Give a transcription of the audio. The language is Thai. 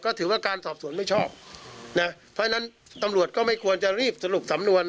ก็ถือว่าการสอบสวนไม่ชอบนะเพราะฉะนั้นตำรวจก็ไม่ควรจะรีบสรุปสำนวน